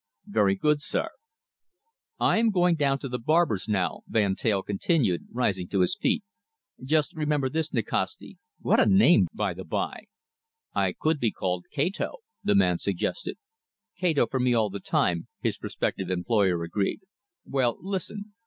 "Very good, sir!" "I am going down to the barber's now," Van Teyl continued, rising to his feet. "Just remember this, Nikasti what a name, by the bye!" "I could be called Kato," the man suggested. "Kato for me all the time," his prospective employer agreed. "Well, listen.